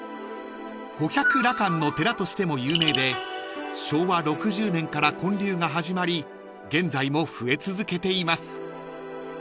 ［五百羅漢の寺としても有名で昭和６０年から建立が始まり現在も増え続けています］